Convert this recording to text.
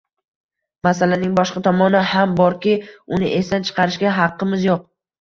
Masalaning boshqa tomoni ham borki, uni esdan chiqarishga haqqimiz yo‘q